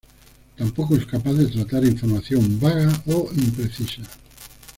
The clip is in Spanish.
Tampoco es capaz de tratar información vaga o imprecisa.